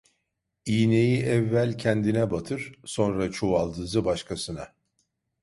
İğneyi evvel kendine batır, sonra çuvaldızı başkasına.